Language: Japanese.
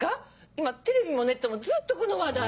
今テレビもネットもずっとこの話題。